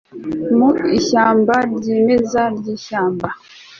mu ishyamba ryimeza ryishyamba